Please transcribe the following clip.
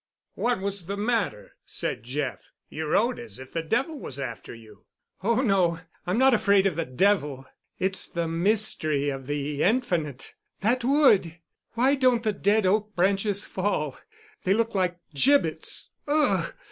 "What was the matter?" said Jeff. "You rode as if the Devil was after you." "Oh, no—I'm not afraid of the Devil. It's the mystery of the Infinite. That wood—why don't the dead oak branches fall? They look like gibbets. Ugh!"